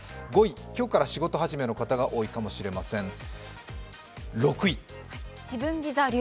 ５位、今日から仕事始めの人が多いかもしれません。